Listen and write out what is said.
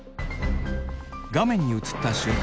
画面に映った瞬間